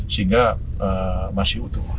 sehingga masih utuh